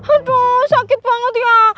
aduh sakit banget ya